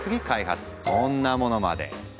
こんなものまで。